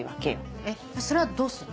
えっそれはどうするの？